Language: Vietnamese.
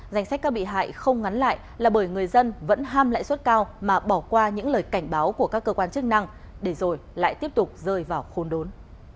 danh sách các bị hại không ngắn lại là bởi người dân vẫn ham lãi suất cao mà bỏ qua những lời cảnh báo của các cơ quan chức năng để rồi lại tiếp tục rơi vào khốn đốn